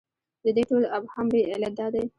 د دې ټول ابهام لوی علت دا دی.